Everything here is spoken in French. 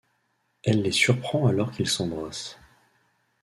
Elle les surprend alors qu'ils s'embrassent.